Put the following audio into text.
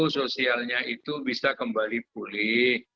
sosialnya itu bisa kembali pulih